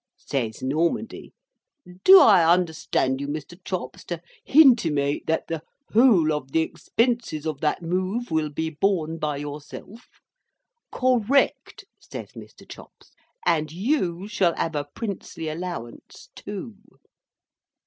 Says Normandy: "Do I understand you, Mr. Chops, to hintimate that the 'ole of the expenses of that move will be borne by yourself?" "Correct," says Mr. Chops. "And you shall have a Princely allowance too."